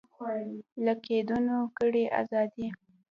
له قیدونو کړئ ازادي